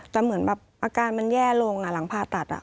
แต่เหมือนแบบอาการมันแย่ลงหลังผ่าตัด